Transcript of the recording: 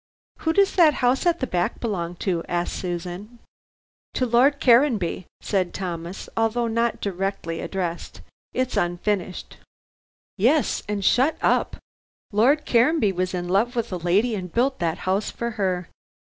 "Who does that house at the back belong to?" asked Susan. "To Lord Caranby," said Thomas, although not directly addressed. "It's unfinished." "Yes and shut up. Lord Caranby was in love with a lady and built that house for her.